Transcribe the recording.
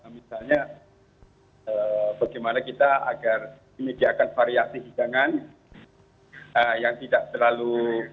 misalnya bagaimana kita agar ini dia akan variasi hidangan yang tidak terlalu